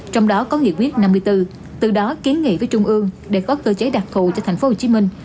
trong đó có nghị quyết năm mươi bốn từ đó kiến nghị với trung ương để có cơ chế đặc thù cho thành phố hồ chí minh